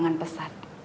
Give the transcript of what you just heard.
ya gak ada